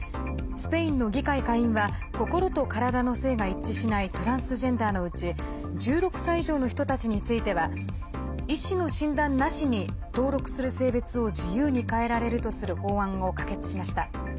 スペインの議会下院は心と体の性が一致しないトランスジェンダーのうち１６歳以上の人たちについては医師の診断なしに登録する性別を自由に変えられるとする法案を可決しました。